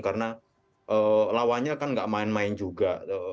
karena lawannya kan nggak main main juga